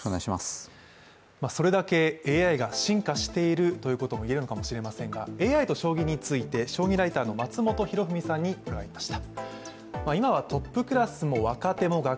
それだけＡＩが進化しているということも言えるのかもしれませんがＡＩと将棋について将棋ライターの松本博文さんに伺いました。